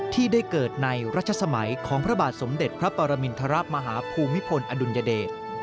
ที่ได้เกิดในรัชสมัยของพระบาทสมเด็จพระปรมินทรมาฮภูมิพลอดุลยเดช